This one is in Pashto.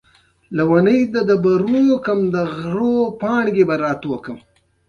مینې له دې واده څخه وېره لرله